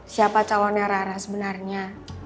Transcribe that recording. siapa calonnya rara sebenarnya